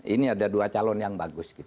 ini ada dua calon yang bagus